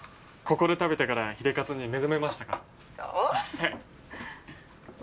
ここで食べてからひれかつに目覚めましたから。